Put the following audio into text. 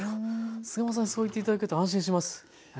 菅又さんにそう言って頂けると安心します。